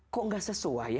kok gak sesuai